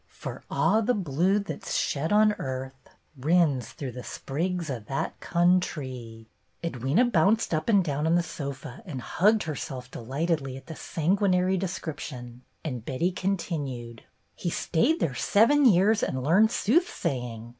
For a' the blude that 's shed on earth, Rins through the springs o* that countrie.'*' Edwyna bounced up and down on the sofa and hugged herself delightedly at the sanguin ary description, and Betty continued: "He stayed there seven years and learned soothsaying.